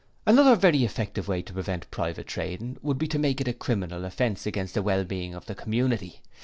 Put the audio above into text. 'Another very effective way to prevent private trading would be to make it a criminal offence against the well being of the community.